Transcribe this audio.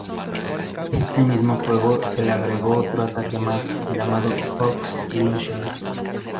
En este mismo juego se le agregó otro ataque más, llamado Fox Illusion.